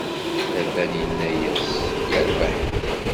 Laban inna-yas: Yerbeḥ!